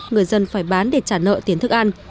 người dân phải bán để trả nợ tiền thức ăn